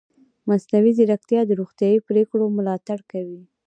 مصنوعي ځیرکتیا د روغتیايي پریکړو ملاتړ کوي.